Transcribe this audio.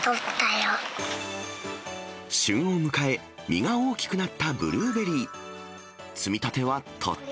旬を迎え、実が大きくなったブルーベリー。